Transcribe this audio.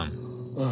ああ！